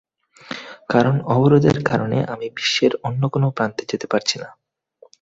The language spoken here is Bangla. কারণ, অবরোধের কারণে আমি বিশ্বের অন্য কোনো প্রান্তে যেতে পারছি না।